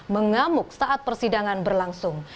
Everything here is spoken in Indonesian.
mengamuk saat persidangan berlangsung